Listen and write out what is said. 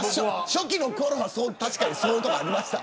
初期のころは、確かにそういうところありました。